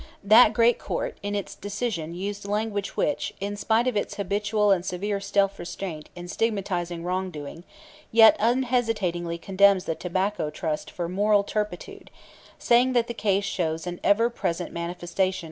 That great Court in its decision used language which, in spite of its habitual and severe self restraint in stigmatizing wrong doing, yet unhesitatingly condemns the Tobacco Trust for moral turpitude, saying that the case shows an "ever present manifestation